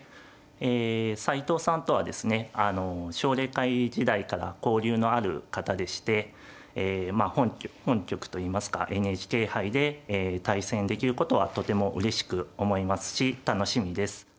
え斎藤さんとはですね奨励会時代から交流のある方でして本局といいますかＮＨＫ杯で対戦できることはとてもうれしく思いますし楽しみです。